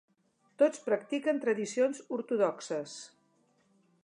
Tots practiquen tradicions ortodoxes.